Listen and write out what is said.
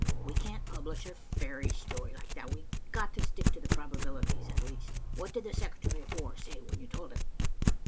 "We can't publish a fairy story like that. We've got to stick to probabilities, at least. What did the Secretary of War say when you told him?"